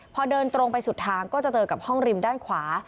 พอเดินตรงไปสุดทางก็จะเจอกับห้องริมด้านขวา